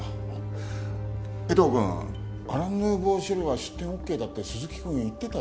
江藤くんアラン・ヌーボー・シエルは出店オーケーだって鈴木くん言ってたよね？